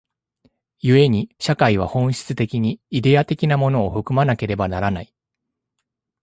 故に社会は本質的にイデヤ的なものを含まなければならない。